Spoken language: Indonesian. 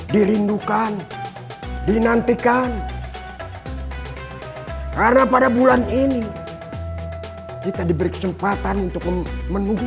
dirindukan dinantikan karena pada bulan ini kita diberi kesempatan untuk menuju